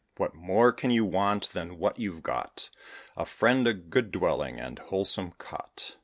What more can you want than what you've got A friend, a good dwelling, and wholesome cot?"